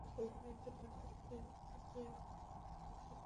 কলেজের সাথে সম্পর্কিত হাসপাতালটি বীরভূম জেলার অন্যতম বৃহত্তম হাসপাতাল।